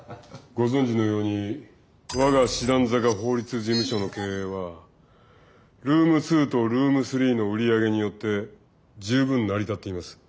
ご存じのように我が師団坂法律事務所の経営はルーム２とルーム３の売り上げによって十分成り立っています。